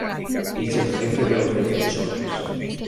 Es el jefe de los defensores.